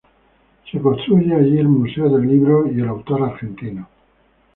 Se construye allí el Museo del Libro y el Autor Argentino.